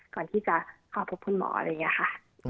ก่อนที่จะเข้าพบคุณหมออะไรอย่างนี้ค่ะ